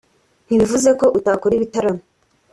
ntibivuze ko utakora ibitaramo